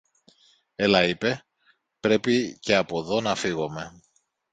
Έλα, είπε, πρέπει και από δω να φύγομε.